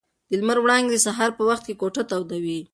د لمر وړانګې د سهار په وخت کې کوټه تودوي.